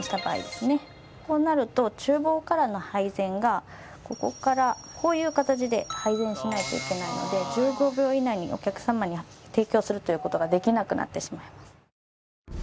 こうなると厨房からの配膳がここからこういう形で配膳しないといけないので１５秒以内にお客様に提供するという事ができなくなってしまいます。